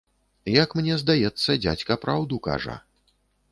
Як мне здаецца, дзядзька праўду кажа.